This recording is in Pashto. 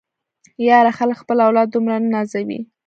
ياره خلک خپل اولاد دومره نه نازوي.